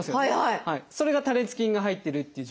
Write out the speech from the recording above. それが多裂筋が入ってるっていう状況です。